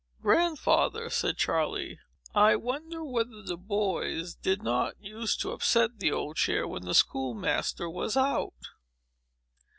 "Grandfather," said Charley, "I wonder whether the boys did not use to upset the old chair, when the school master was out?"